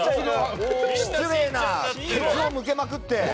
失礼な、ケツを向けまくって。